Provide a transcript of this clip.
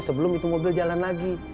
sebelum itu mobil jalan lagi